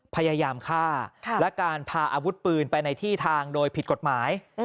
พยายามฆ่าและการพาอาวุธปืนไปในที่ทางโดยผิดกฎหมาย